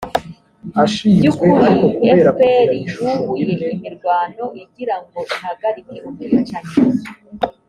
by ukuri fpr yubuye imirwano igira ngo ihagarike ubwicanyi